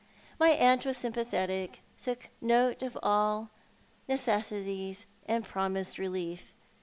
My aunt was sympathetic, took note of all necessities, and promised relief.